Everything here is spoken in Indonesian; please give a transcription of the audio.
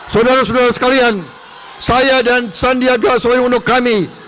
saudara saudara sekalian saya dan sandiaga soewono kami